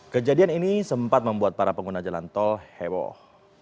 kejadian ini sempat membuat para pengguna jalan tol heboh